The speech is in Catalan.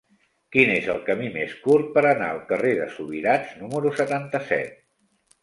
Quin és el camí més curt per anar al carrer de Subirats número setanta-set?